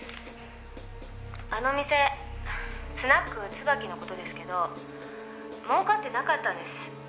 「あのお店『スナック椿』の事ですけど儲かってなかったんです。